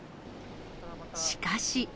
しかし。